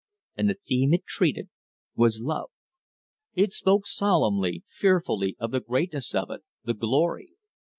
And the theme it treated was love. It spoke solemnly, fearfully of the greatness of it, the glory.